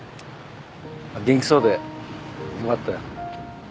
元気そうでよかったよ。